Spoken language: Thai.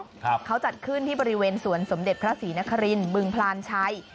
ครับเขาจัดขึ้นที่บริเวณสวนสมเด็จพระศรีนครินบึงพลานชัย